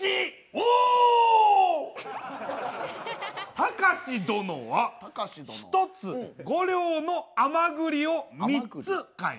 たかし殿は１つ５両の甘ぐりを３つ買い。